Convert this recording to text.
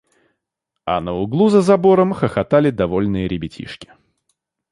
А на углу за забором хохотали довольные ребятишки.